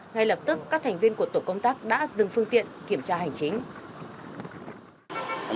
ngay lập tức các thành viên của tổ công tác đã dừng phương tiện kiểm tra hành chính